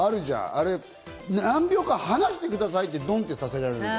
あれ何秒間話してくださいってドンってやられる。